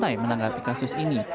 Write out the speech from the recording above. santai menanggapi kasus ini